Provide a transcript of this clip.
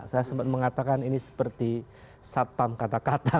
saya sempat mengatakan ini seperti satpam kata kata